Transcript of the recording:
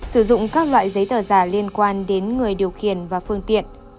sử dụng các loại giấy tờ giả liên quan đến người điều khiển và phương tiện